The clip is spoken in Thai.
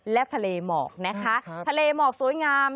และทะเลจรรย์หมอกนะครับ